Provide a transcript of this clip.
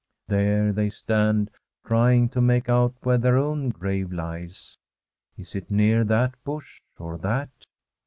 There they stand, trying to make out where their own grave lies — is it near that bush, or that?